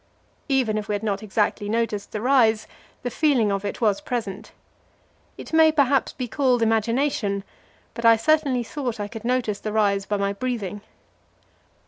Even if we had not exactly noticed the rise, the feeling of it was present. It may perhaps be called imagination, but I certainly thought I could notice the rise by my breathing.